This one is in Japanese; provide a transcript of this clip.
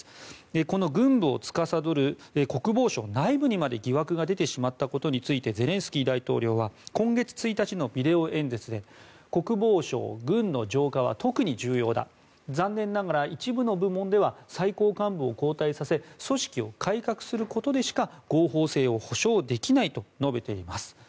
この軍部をつかさどる国防省内部にまで疑惑が出てしまったことについてゼレンスキー大統領は今月１日のビデオ演説で国防省・軍の浄化は特に重要だ残念ながら一部の部門では最高幹部を交代させ組織を改革することでしか合法性を保証できないと述べています。